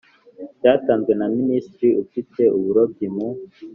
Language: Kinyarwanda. Cyatanzwe na minisitiri ufite uburobyi mu